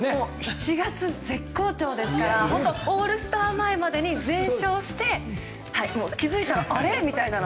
７月、絶好調ですからオールスター前までに全勝して気づいたら、あれ？みたいなの。